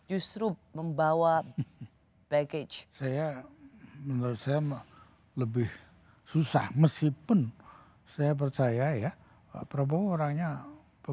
ini memudahkan kebijakan kebijakan presiden elect nantinya atau seperti yang tadi pak rajat katakan